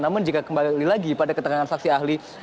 namun jika kembali lagi pada keterangan saksi ahli